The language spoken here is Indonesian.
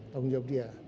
tanggung jawab dia